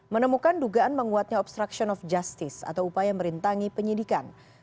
menemukan dugaan menguatnya obstruction of justice atau upaya merintangi penyidikan